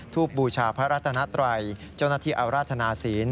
ทูบบูชาพระรัตนัตรัยเจ้าหน้าที่อราชนาศีล